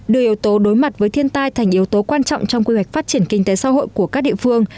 đưa yếu tố đối mặt với thiên tai thành yếu tố quan trọng trong quy hoạch phát triển kinh tế xã hội của các địa phương